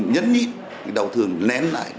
nhấn nhịn đau thương nén lại